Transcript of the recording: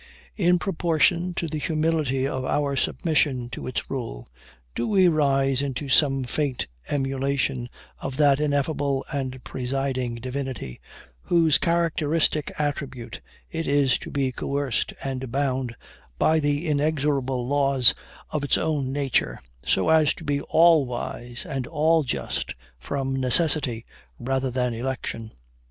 In proportion to the humility of our submission to its rule, do we rise into some faint emulation of that ineffable and presiding Divinity, whose characteristic attribute it is to be coerced and bound by the inexorable laws of its own nature, so as to be all wise and all just from necessity rather than election.